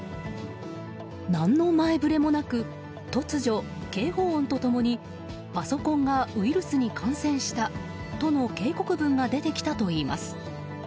何の前触れもなく突如、警報音と共にパソコンがウイルスに感染したとの警告文が出てきたといいます。